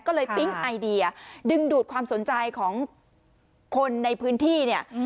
ก็เลยปิ๊งไอเดียดึงดูดความสนใจของคนในพื้นที่เนี่ย